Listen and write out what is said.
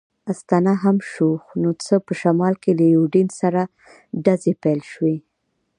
ستنه هم شو، نو څه، په شمال کې له یوډین سره ډزې پیل شوې.